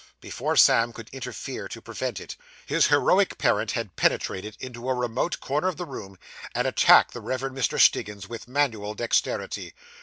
Before Sam could interfere to prevent it, his heroic parent had penetrated into a remote corner of the room, and attacked the Reverend Mr. Stiggins with manual dexterity.